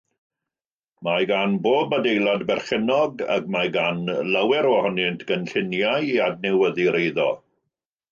Mae gan bob adeilad berchennog, ac mae gan lawer ohonynt gynlluniau i adnewyddu'r eiddo.